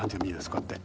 こうやって。